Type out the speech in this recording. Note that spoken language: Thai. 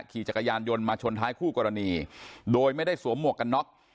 ขี่จักรยานยนต์มาชนท้ายคู่กรณีโดยไม่ได้สวมหมวกกันน็อก